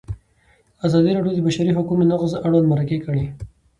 ازادي راډیو د د بشري حقونو نقض اړوند مرکې کړي.